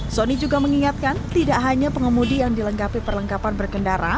sony juga mengingatkan tidak hanya pengemudi yang dilengkapi perlengkapan berkendara